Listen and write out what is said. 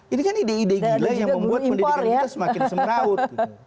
ini kan ide ide gila yang membuat pendidikan kita semakin semraut